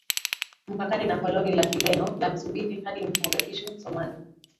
mpakani na koloni la Kireno la Msumbiji hadi Mogadishu Somalia